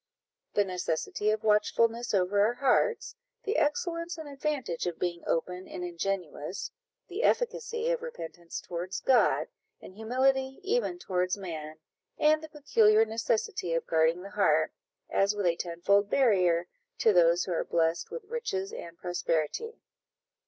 the necessity of watchfulness over our hearts the excellence and advantage of being open and ingenuous the efficacy of repentance towards God, and humility even towards man and the peculiar necessity of guarding the heart, as with a tenfold barrier, to those who are blest with riches and prosperity.